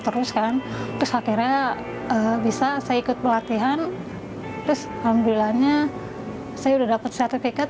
teruskan terus akhirnya bisa saya ikut pelatihan terus alhamdulillah nya saya udah dapat sertifikat